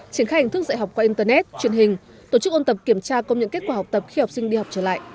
triển khai hình thức dạy học qua internet truyền hình tổ chức ôn tập kiểm tra công nhận kết quả học tập khi học sinh đi học trở lại